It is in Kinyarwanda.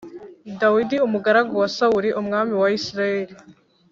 Dawidi umugaragu wa Sawuli umwami wa Isirayeli